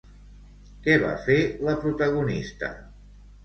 Què va fer la protagonista?